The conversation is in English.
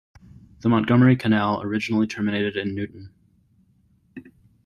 The Montgomery Canal originally terminated in Newtown.